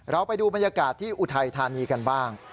ไปดูบรรยากาศที่อุทัยธานีกันบ้าง